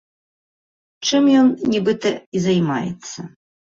Чым ён, нібыта, і займаецца.